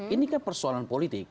ini kan persoalan politik